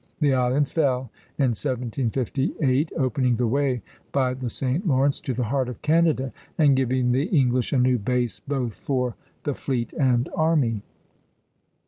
The island fell in 1758, opening the way by the St. Lawrence to the heart of Canada, and giving the English a new base both for the fleet and army.